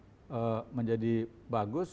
kemudian imunitas kita menjadi bagus